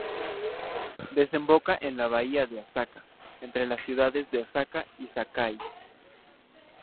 Desemboca en la bahía de Osaka, entre las ciudades de Osaka y Sakai.